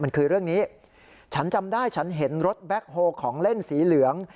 มันคือเรื่องนี้ฉันจำได้ฉันเห็นรถแบ็คโฮของเล่นสีเหลือง